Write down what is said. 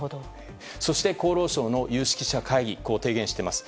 そして厚労省の有識者会議はこう提言しています。